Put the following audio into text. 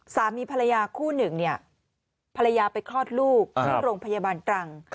สามีภรรยาคู่หนึ่งเนี่ยภรรยาไปคลอดลูกที่โรงพยาบาลตรัง